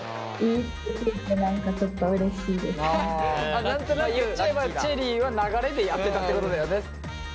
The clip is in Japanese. あの普通にあ言っちゃえばチェリーは流れでやってたってことだよね。